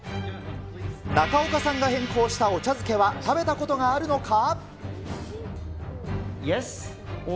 中岡さんが変更したお茶漬けは、食べたことがあるのか？